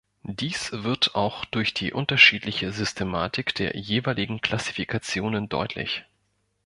Dies wird auch durch die unterschiedliche Systematik der jeweiligen Klassifikationen deutlich.